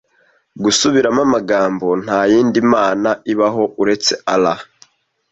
Gusubiramo amagambo nta yindi mana ibaho uretse Allah